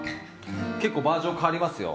結構、バージョン変わりますよ。